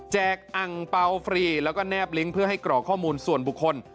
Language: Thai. กล่องอังเปล่าฟรีแล้วก็แนบลิงก์เพื่อให้กรอกข้อมูลส่วนบุคคล